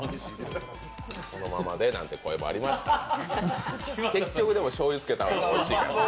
そのままでなんていう声もありましたが、結局しょうゆつけた方がおいしいから。